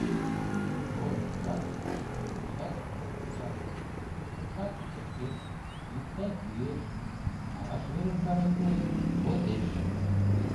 Толын пурат, пӧртыштат ок кычалтыл: пукшат — кочкеш, йӱктат — йӱэш, малаш верым шарен пуэт — возеш.